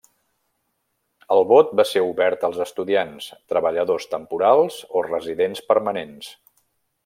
El vot va ser obert als estudiants, treballadors temporals o residents permanents.